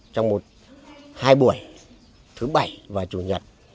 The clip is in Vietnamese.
trong hai buổi thứ bảy và chủ nhật